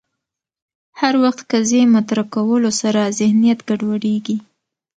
هر وخت قضیې مطرح کولو سره ذهنیت ګډوډېږي